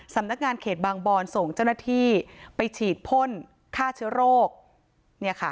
สำนักงานเขตบางบอนส่งเจ้าหน้าที่ไปฉีดพ่นฆ่าเชื้อโรคเนี่ยค่ะ